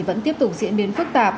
vẫn tiếp tục diễn biến phức tạp